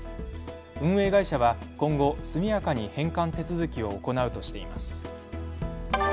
運営会社は今後、速やかに返還手続きを行うとしています。